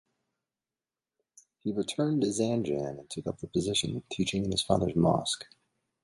He returned to Zanjan and took up the position, teaching in his father's mosque.